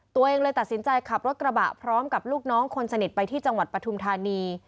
ตัวเองเลยตัดสินใจขับรถกระบะพร้อมกับลูกน้องคนสนิทไปที่จังหวัดปฐุมธานี